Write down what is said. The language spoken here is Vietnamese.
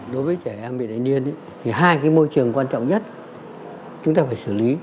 đối với trẻ em bị đánh nhiên hai môi trường quan trọng nhất chúng ta phải xử lý